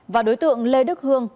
và đối tượng lê đức hương